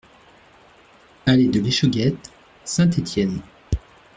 Allée de l'Échauguette, Saint-Étienne